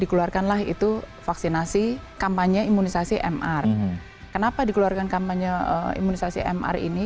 dikekuarkanlah itu vaksinasi kampanye imunisasi mmr kenapa dikeluarkan kampanye imunisasi mmr ini